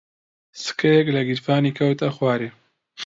سکەیەک لە گیرفانی کەوتە خوارێ.